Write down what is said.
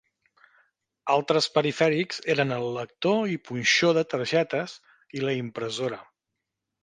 Altres perifèrics eren el lector i punxó de targetes i la impressora.